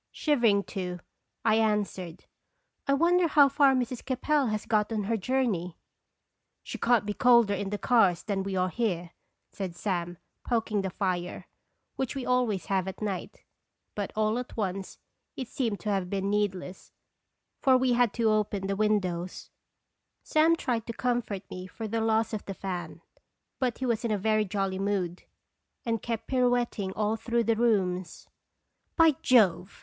Shivering, too, I answered, " I wonder how far Mrs. Capel has got on her journey." " She can't be colder in the cars than we are here," said Sam, poking the fire, which we always have at night ; but all at once it seemed to have been needless, for we had to open the 268 "i)e Kecorib OTarb toins." windows. Sam tried to comfort me for the loss of the fan ; but he was in a very jolly mood, and kept pirouetting all through the rooms. "By Jove!"